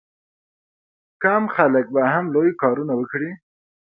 کم خلک به هم لوی کارونه وکړي.